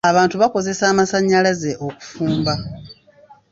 Abantu bakozesa amasannyalaze okufumba.